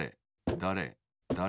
だれだれ